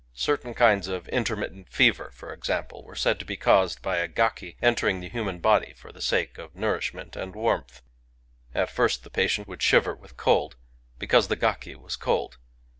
Certain kinds of inter mittent fever, for example, were said to be caused by a gaki entering the human body for the sake of nourishment and warmth* At first the patient would shiver with cold, because the gaki was cold..